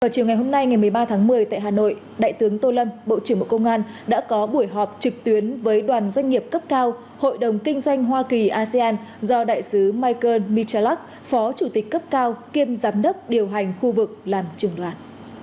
chiều ngày hôm nay ngày một mươi ba tháng một mươi tại hà nội đại tướng tô lâm bộ trưởng bộ công an đã có buổi họp trực tuyến với đoàn doanh nghiệp cấp cao hội đồng kinh doanh hoa kỳ asean do đại sứ michael michalak phó chủ tịch cấp cao kiêm giám đốc điều hành khu vực làm trưởng đoàn